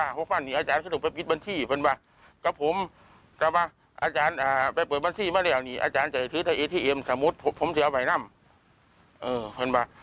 จ้ะตอนนี้อาจารย์ก็จะไปเปิดบัญชีเมื่อไหร่ละอาจารย์จะแถวเนี่ยสมมุติผมจะเอาไปน้ำเออเห็นปะ